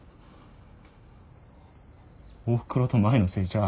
おふくろと舞のせいちゃう。